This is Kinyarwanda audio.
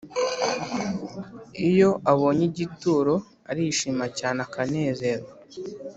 Iyo abonye igituro Arishima cyane akanezerwa